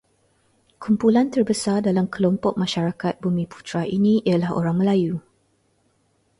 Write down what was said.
Kumpulan terbesar dalam kelompok masyarakat bumiputera ini ialah orang Melayu.